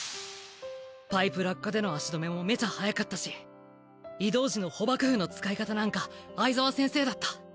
パイプ落下での足止めもめちゃ速かったし移動時の捕縛布の使い方なんか相澤先生だった。